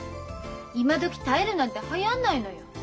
今どき耐えるなんてはやんないのよ。